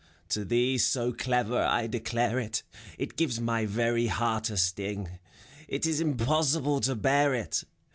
To thee, so clever, I declare it, — It gives my very heart a sting; It is impossible to bear it